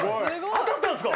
当たったんですか？